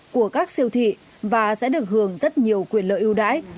của các siêu thị và sẽ được hưởng rất nhiều quyền lợi ưu đãi